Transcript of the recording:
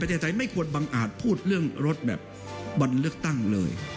ประเด็นสาธารณีไม่ควรบ้างอาจพูดเรื่องรถแบบบรรเลือกตั้งเลย